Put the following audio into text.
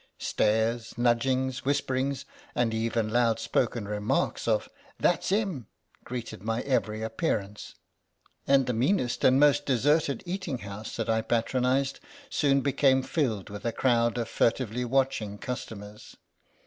Stares, nudgings, whisper ings, and even loud spoken remarks of ^ that's Im' greeted my every appearance, and the THE LOST SANJAK 19 meanest and most deserted eating house that I patronised soon became filled with a crowd of furtively watching customers.